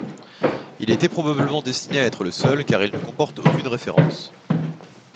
Il était probablement destiné à être le seul car il ne comporte aucune référence.